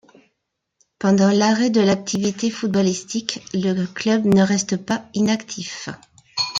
Pendant l'arrêt de l'activité footballistique, le club ne reste pas inactif.